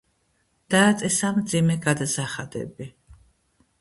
დააწესა მძიმე გადასახადები.